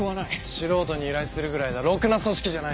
素人に依頼するぐらいだろくな組織じゃないね。